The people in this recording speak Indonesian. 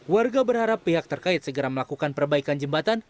warga berharap pihak terkait segera melakukan perbaikan jembatan